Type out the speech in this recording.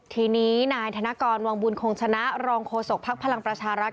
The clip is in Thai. ทีนี้นายธนกรวังบุญคงชนะรองโฆษกภักดิ์พลังประชารัฐ